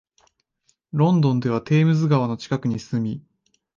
ロンドンではテームズ川の近くに住み、